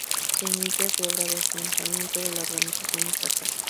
Se inicia su obra de afianzamiento de la organización estatal.